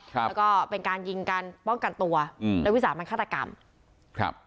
ครับแล้วก็เป็นการยิงกันป้องกันตัวอืมและวิสามันฆาตกรรมครับ